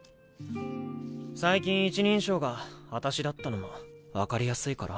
最近１人称が「私」だったのも分かりやすいから？